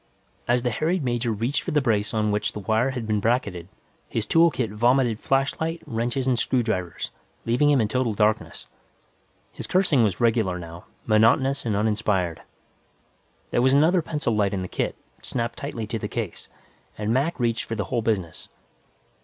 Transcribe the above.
As the harried major reached for the brace on which the wire had been bracketed, his tool kit vomited flashlight, wrenches and screwdrivers, leaving him in total darkness. His cursing was regular, now, monotonous and uninspired. There was another pencil light in the kit, snapped tightly to the case, and Mac reached for the whole business.